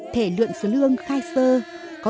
thể lượn sơ lương khai sơ